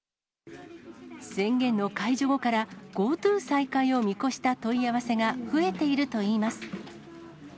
宣言の解除後からＧｏＴｏ再開を見越した問い合わせが増えているといいます。